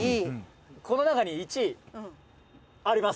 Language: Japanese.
「この中に１位あります」